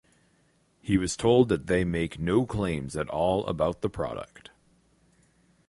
He was told that they make no claims at all about the product.